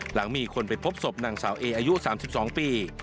หลังมีคนไปพบศพนางสาวเออายุ๓๒ปี